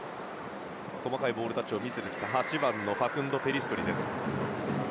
細かいボールタッチを見せてきた８番のファクンド・ペリストリ。